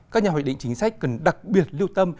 các nhà hoạch định chính sách cần đặc biệt lưu tâm